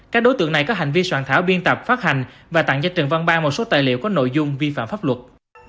các đối tượng này có hành vi soạn thảo biên tập phát hành và tặng cho trần văn ban một số tài liệu có nội dung vi phạm pháp luật